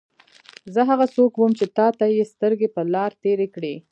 زه هغه څوک وم چې تا ته یې سترګې په لار تېرې کړې.